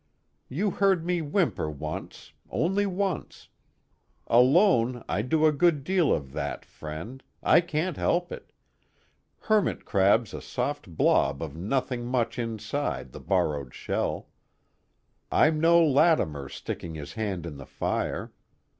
You heard me whimper once, only once. Alone, I do a good deal of that, friend, I can't help it hermit crab's a soft blob of nothing much inside the borrowed shell. I'm no Latimer sticking his hand in the fire.